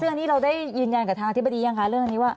คุณยืนยันกับทางอธิบดียังคะเรื่องอันนี้ว่า